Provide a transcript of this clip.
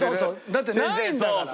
だってないんだから。